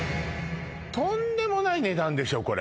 とんでもない値段でしょ